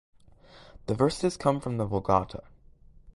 The verses come from the Vulgata.